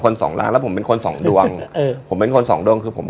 กล้วยนวร